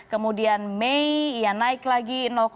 kemudian mei ya naik lagi